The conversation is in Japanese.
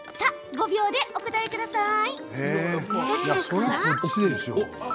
５秒でお答えください。